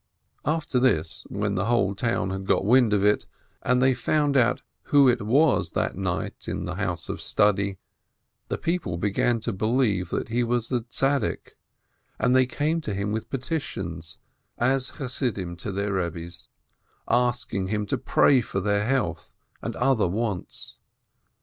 After this, when the whole town had got wind of it, and they found out who it was that night in the house of study, the people began to believe that he was a Tzaddik, and they came to him with Petitions, as Chassidim to their Rebbes, asking 'him to pray for their health and other wants.